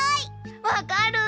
わかる！